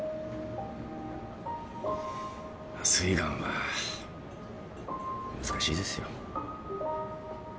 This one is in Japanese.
すいがんは難しいですよ。